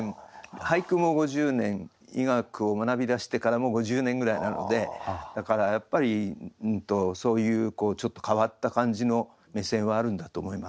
俳句も５０年医学を学びだしてからも５０年ぐらいになるのでだからやっぱりそういうちょっと変わった感じの目線はあるんだと思います。